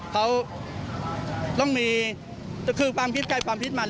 เขาต้องมีคือความคิดใครความคิดมัน